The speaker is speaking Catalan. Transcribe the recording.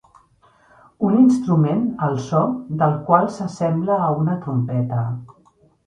Un instrument el só del qual s'assembla a una trompeta